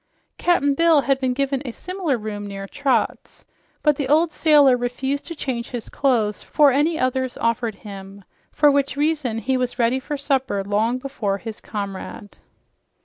Cap'n Bill had been given a similar room near Trot, but the old sailor refused to change his clothes for any others offered him, for which reason he was ready for supper long before his comrade.